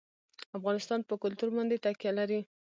افغانستان په کلتور باندې تکیه لري.